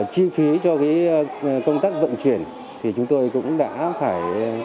chi phí cho công tác vận chuyển thì chúng tôi cũng đã phải